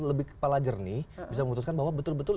lebih kepala jernih bisa memutuskan bahwa betul betul